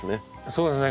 そうですね